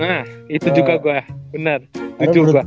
hah itu juga gua bener lucu gua